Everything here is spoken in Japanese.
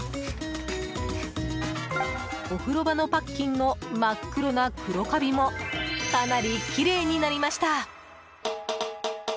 お風呂場のパッキンの真っ黒な黒カビもかなりきれいになりました。